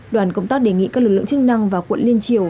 đoàn công tác đề nghị các lực lượng chức năng và quận liên triều